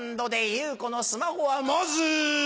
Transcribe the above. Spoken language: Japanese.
『祐子のスマホ』はまず！